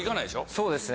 そうですね